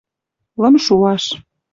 лымшуаш